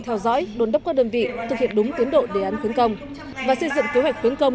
theo dõi đồn đốc các đơn vị thực hiện đúng tiến độ đề án khuyến công và xây dựng kế hoạch khuyến công